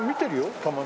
たまに。